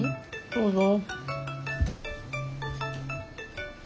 どうぞ。